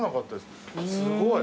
すごい。